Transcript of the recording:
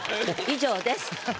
以上です。